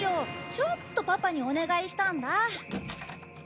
ちょっとパパにお願いしたんだ。